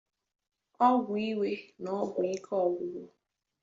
ọgwụ iwe na ọgwụ ike ọgwụgwụ